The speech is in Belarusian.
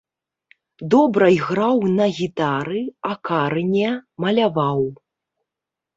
Добра іграў на гітары, акарыне, маляваў.